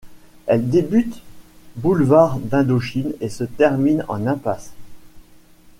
Elle débute boulevard d'Indochine et se termine en impasse.